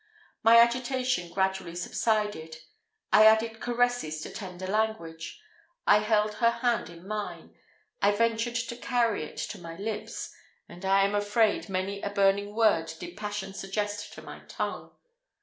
My agitation gradually subsided; I added caresses to tender language I held her hand in mine I ventured to carry it to my lips, and I am afraid many a burning word did passion suggest to my tongue.